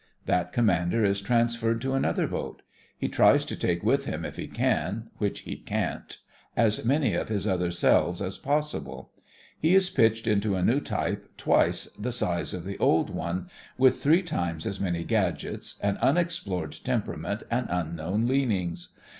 That commander is transferred to another boat. He tries to take with him if he can, which he can't, as many of his other selves as possible. He is pitched into a new type twice the size of the old one, with three times as many gadgets, an unexplored temperament and unknown leanings.